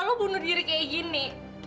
kalau lu bunuh diri kayak gini